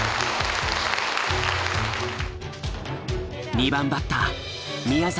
２番バッター宮崎